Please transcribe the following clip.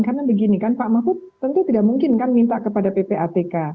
karena begini kan pak mahfud tentu tidak mungkin kan minta kepada ppatk